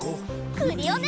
クリオネ！